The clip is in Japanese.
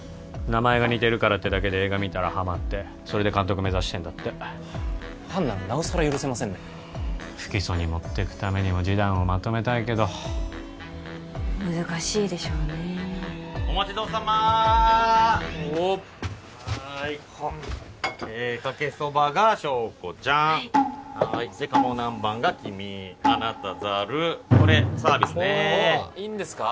名前が似てるからってだけで映画見たらハマってそれで監督目指してんだってファンならなおさら許せませんね不起訴に持ってくためにも示談をまとめたいけど難しいでしょうねお待ちどおさまおっはーいえかけそばが硝子ちゃんはいはーいで鴨南蛮が君あなたざるこれサービスねいいんですか？